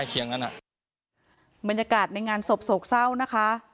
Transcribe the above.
เป็นยังการในงานโสบโซ่เศรษฐ์นะคะ